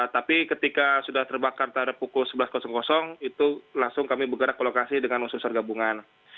tapi ketika sudah terbakar pada pukul sebelas itu langsung kami bergerak ke lokasi dengan usus sergabungan